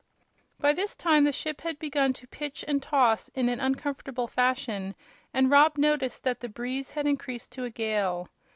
By this time the ship had begun to pitch and toss in an uncomfortable fashion, and Rob noticed that the breeze had increased to a gale.